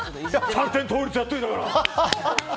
三点倒立やっといたから。